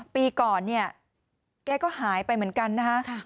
ปีก่อนเนี่ยแกก็หายไปเหมือนกันนะคะ